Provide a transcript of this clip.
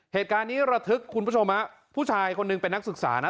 เหตุการณ์นี้ระทึกคุณผู้ชมฮะผู้ชายคนหนึ่งเป็นนักศึกษานะ